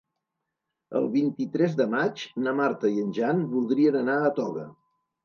El vint-i-tres de maig na Marta i en Jan voldrien anar a Toga.